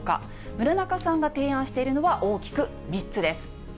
村中さんが提案しているのは大きく３つです。